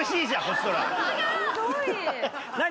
すごい。何？